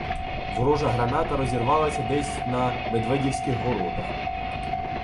Ворожа граната розірвалася десь на медведівських городах.